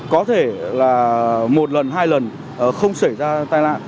có thể là một lần hai lần không xảy ra tai nạn